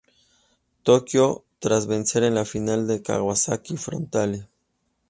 Tokyo, tras vencer en la final a Kawasaki Frontale.